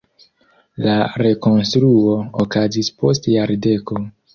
La rekonstruo okazis post jardeko.